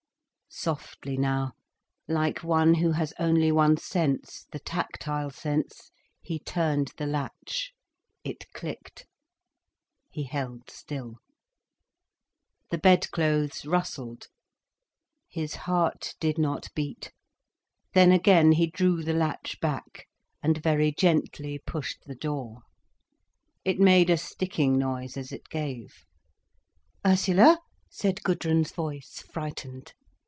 Softly now, like one who has only one sense, the tactile sense, he turned the latch. It clicked. He held still. The bed clothes rustled. His heart did not beat. Then again he drew the latch back, and very gently pushed the door. It made a sticking noise as it gave. "Ursula?" said Gudrun's voice, frightened.